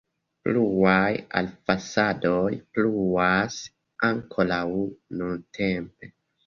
Pluaj elfosadoj pluas ankoraŭ nuntempe.